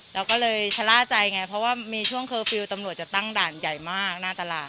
เราก็เลยชะล่าใจไงเพราะว่ามีช่วงเคอร์ฟิลล์ตำรวจจะตั้งด่านใหญ่มากหน้าตลาด